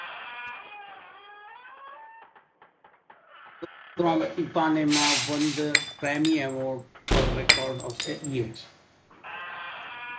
"The Girl from Ipanema" won the Grammy Award for Record of the Year.